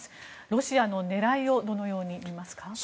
ロシアの狙いをどのように見ますか？